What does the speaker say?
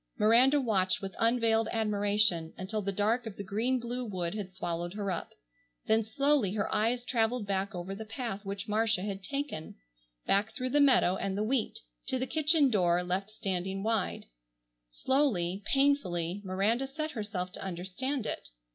Miranda watched with unveiled admiration until the dark of the green blue wood had swallowed her up, then slowly her eyes traveled back over the path which Marcia had taken, back through the meadow and the wheat, to the kitchen door left standing wide. Slowly, painfully, Miranda set herself to understand it.